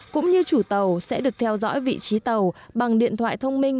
cũng như chủ tàu sẽ được theo dõi vị trí tàu bằng điện thoại thông minh